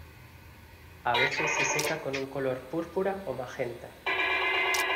A veces se seca con un color púrpura o magenta.